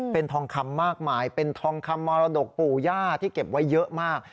เป็นทองคำมากมายเป็นทองคำมรดกปู่ย่าที่เก็บไว้เยอะมาก